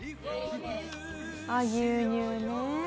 あっ牛乳ね。